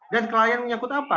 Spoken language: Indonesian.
dan kelalaian menyangkut apa